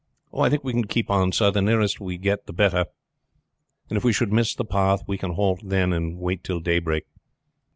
"I think we can keep on, sir. The nearer we get there the better; and if we should miss the path we can halt then and wait till daybreak."